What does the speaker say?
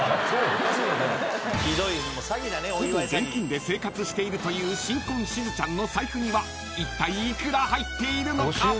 ［ほぼ現金で生活しているという新婚しずちゃんの財布にはいったい幾ら入っているのか？］